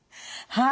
はい。